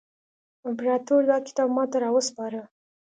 امپراطور دا کتاب ماته را وسپاره.